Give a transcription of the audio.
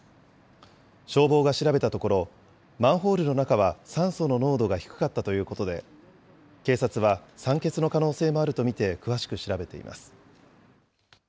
消防が調べたところ、マンホールの中は酸素の濃度が低かったということで、警察は酸欠の可能性もあると見て詳しく調べています。